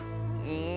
うん。